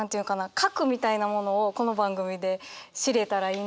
核みたいなものをこの番組で知れたらいいなと思います。